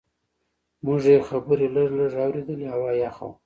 موږ یې خبرې لږ لږ اورېدلې، هوا یخه وه.